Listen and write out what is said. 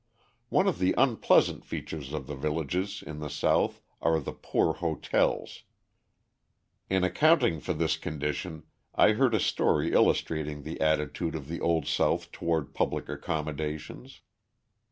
One of the unpleasant features of the villages in the South are the poor hotels. In accounting for this condition I heard a story illustrating the attitude of the old South toward public accommodations.